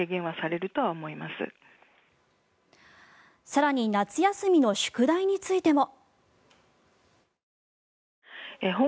更に夏休みの宿題についても。